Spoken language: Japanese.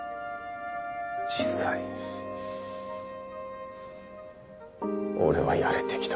実際俺はやれてきた。